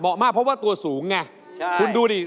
เพราะว่ารายการหาคู่ของเราเป็นรายการแรกนะครับ